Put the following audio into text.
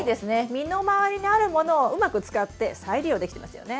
身の回りにあるものをうまく使って再利用できてますよね。